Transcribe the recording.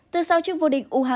từ sau trước vô định